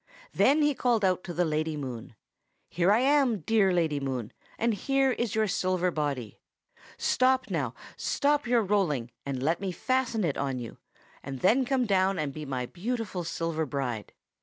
Then he called out to the Lady Moon, 'Here I am, dear Lady Moon, and here is your silver body. Stop now, stop your rolling, and let me fasten it on for you, and then come down and be my beautiful silver bride.